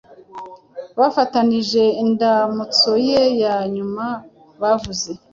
bafatanije-indamutso ye ya nyuma bavuze